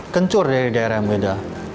kencur dari daerah yang beda